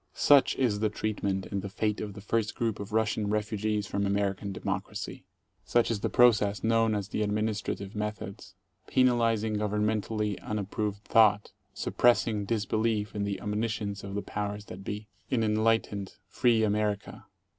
Such is the treatment and the fate of the first group of Russian refugees from American "democracy." Such is the process known as the ad&iinistrative methods, penalizing governmentally unap 18 proved Thought, suppressing disbelief in the omniscence of the powers that be* In enlightened, free America.